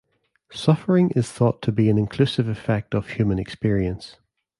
Suffering is thought to be an inclusive effect of human experience.